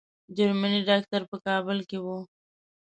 جرمني ډاکټر په کابل کې وو.